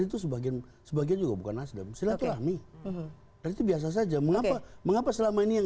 itu sebagian sebagian juga bukan nasdem silaturahmi dan itu biasa saja mengapa mengapa selama ini yang